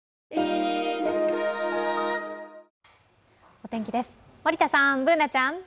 お天気です、森田さん、Ｂｏｏｎａちゃん。